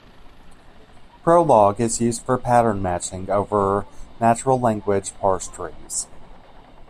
Prolog is used for pattern matching over natural language parse trees.